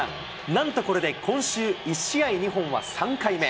なんとこれで今週１試合２本は３回目。